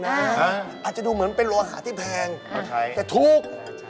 อาจจะดูเหมือนเป็นโลหะที่แพงแต่ถูก